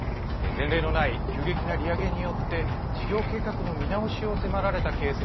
前例のない急激な利上げによって事業計画の見直しを迫られたああ、